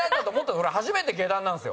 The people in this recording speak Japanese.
俺、初めて下段なんですよ。